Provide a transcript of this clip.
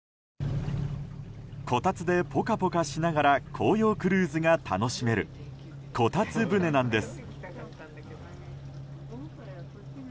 こたつでポカポカしながら紅葉クルーズが楽しめるこたつ船なんです。